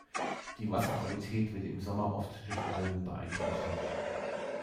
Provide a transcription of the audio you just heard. Die Wasserqualität wird im Sommer oft durch Algen beeinträchtigt.